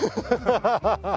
ハハハハ！